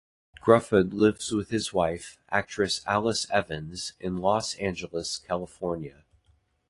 Gruffudd lives with his wife, actress Alice Evans, in Los Angeles, California.